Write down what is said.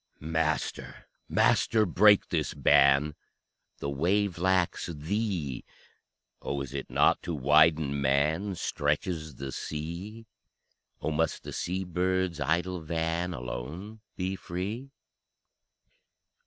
Master, Master, break this ban: The wave lacks Thee. Oh, is it not to widen man Stretches the sea? Oh, must the sea bird's idle van Alone be free?